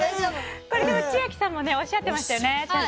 千秋さんもおっしゃってましたよね。